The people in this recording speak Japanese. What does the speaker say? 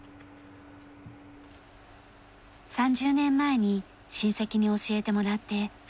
３０年前に親戚に教えてもらって始めました。